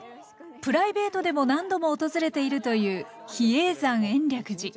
プライベートでも何度も訪れているという比叡山延暦寺。